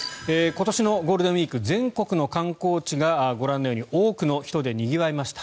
今年のゴールデンウィーク全国の観光地がご覧のように多くの人でにぎわいました。